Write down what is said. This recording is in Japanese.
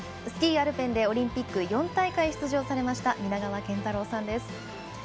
スキー・アルペンでオリンピック４大会出場されました皆川賢太郎さんです。